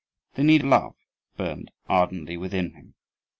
The need of love burned ardently within him.